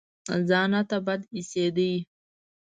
ځان راته بد اېسېد.